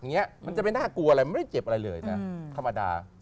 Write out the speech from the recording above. อย่างนี้มันจะไม่น่ากลัวอะไรมันไม่ได้เจ็บอะไรเลยนะธรรมดา